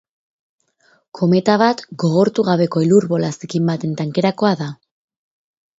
Kometa bat gogortu gabeko elur bola zikin baten tankerakoa da.